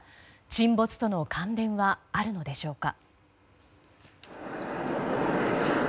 沈没との関連はあるのでしょうか。